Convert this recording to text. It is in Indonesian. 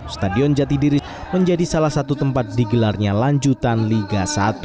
stadion jatidiri menjadi salah satu tempat digilarnya lanjutan liga satu